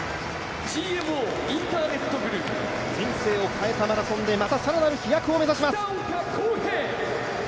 人生を変えたマラソンでまた、更なる飛躍を目指します。